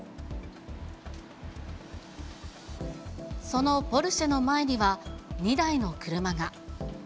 そのポルシェの前には、２台の車が。